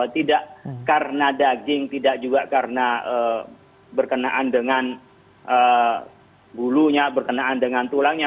tidak karena daging tidak juga karena berkenaan dengan bulunya berkenaan dengan tulangnya